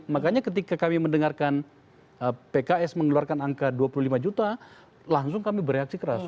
makanya ketika kami mendengarkan pks mengeluarkan angka dua puluh lima juta langsung kami bereaksi keras